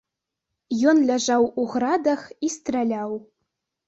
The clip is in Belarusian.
Ён ляжаў у градах і страляў.